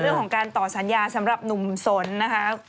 เรื่องของการต่อสัญญาสำหรับหนุ่มสนนะคะ